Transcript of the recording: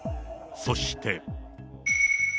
そして。